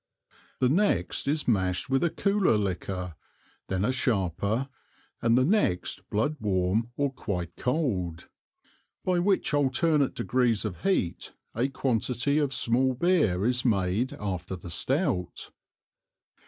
The next is Mash'd with a cooler Liquor, then a sharper, and the next Blood warm or quite Cold; by which alternate degrees of Heat, a Quantity of small Beer is made after the Stout.